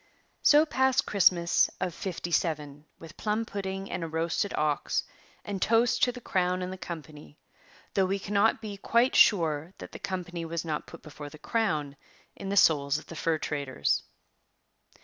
So passed Christmas of '57 with plum pudding and a roasted ox and toasts to the crown and the company, though we cannot be quite sure that the company was not put before the crown in the souls of the fur traders.